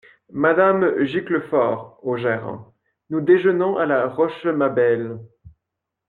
Madame Giclefort, au gérant. — Nous déjeunons à la Rochemabelle.